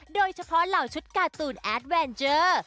โดยเฉพาะเหล่าชุดการ์ตูนแอดแวนเจอร์